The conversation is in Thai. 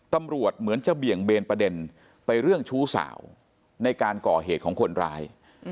เหมือนจะเบี่ยงเบนประเด็นไปเรื่องชู้สาวในการก่อเหตุของคนร้าย